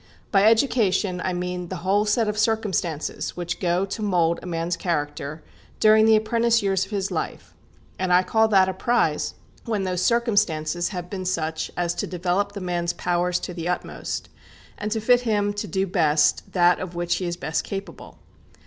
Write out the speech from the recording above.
By education I mean the whole set of circumstances which go to mould a man's character during the apprentice years of his life; and I call that a prize when those circumstances have been such as to develop the man's powers to the utmost, and to fit him to do best that of which he is best capable.